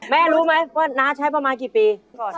รู้ไหมว่าน้าใช้ประมาณกี่ปี